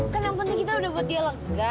kan yang penting kita udah buat dia lega